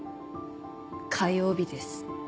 火曜日です